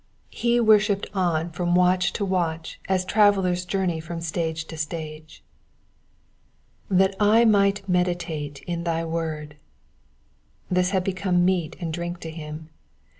311 He worshipped on from watch to watch as travellers journey from stage to 6ta^. '''•I'hat I might meditate in thy tcord,^'' This had become meat and drink to him.